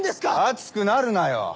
熱くなるなよ